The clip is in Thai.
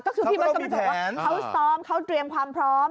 เขาซ้อมเขาเตรียมความพร้อม